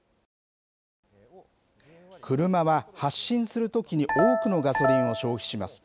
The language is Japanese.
車は発進するときに多くのガソリンを消費します。